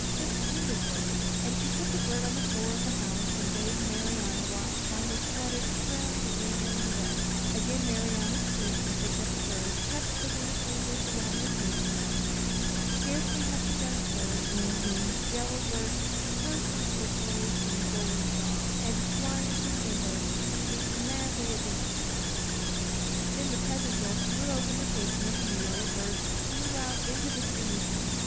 His wing is broken." And she put the bird on the floor of the house and bade Marianna watch how he fluttered trailing a wing in the dust. Again Marianna stooped, and picking up the bird, touched the wounded wing with the water of healing. Scarcely had she done so, when the yellow bird burst into a joyous and golden song, and flying to the window, beat madly against the panes. Then the peasant girl threw open the casement, and the yellow bird flew out into the streaming sun.